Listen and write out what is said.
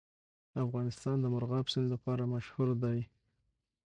افغانستان د مورغاب سیند لپاره مشهور دی.